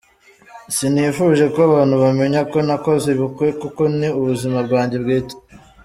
Sinifuje ko abantu bamenya ko nakoze ubukwe kuko ni ubuzima bwanjye bwite.